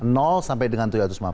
sampai dengan tujuh ratus lima puluh